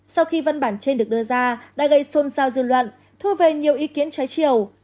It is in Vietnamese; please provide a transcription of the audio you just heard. sau khi văn bản trên được đưa ra đã gây xôn xao dư luận thu về nhiều ý kiến trái chiều